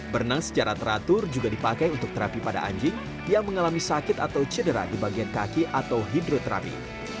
berenang secara teratur juga dipakai untuk terapi pada anjing yang mengalami sakit atau cedera di bagian kaki atau hidroterapi